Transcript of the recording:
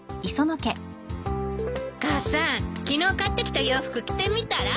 母さん昨日買ってきた洋服着てみたら？